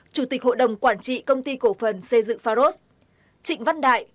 chủ tịch hội đồng quản trị công ty cổ phần xây dựng pharos trịnh văn đại